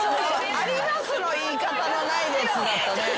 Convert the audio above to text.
「あります」の言い方の「ないです」だったね。